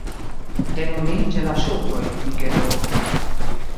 Tenu lin ĉe la ŝultroj, Mikelo.